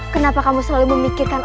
kenapa kamu selalu memikirkanmu